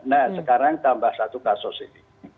nah sekarang tambah satu kasus ini